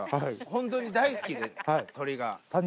本当に大好きで鳥が。